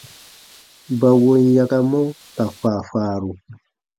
Ba wom yakamɔ ka faafaaru.